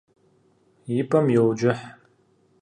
И пӏэм йоуджыхь.